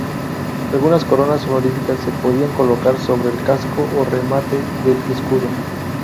Algunas coronas honoríficas se podían colocar sobre el casco o remate del escudo.